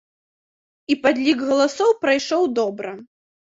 І падлік галасоў прайшоў добра.